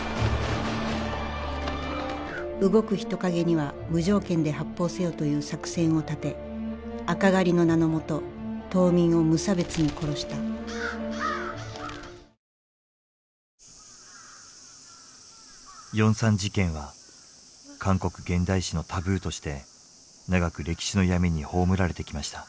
動く人影には無条件で発砲せよという作戦を立て赤狩りの名のもと島民を無差別に殺した４・３事件は韓国現代史のタブーとして長く歴史の闇に葬られてきました。